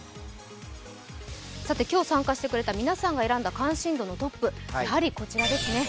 今日参加してくださった皆さんが選んだ関心度トップやはりこちらですね。